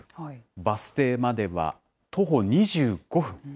バス停までは徒歩２５分。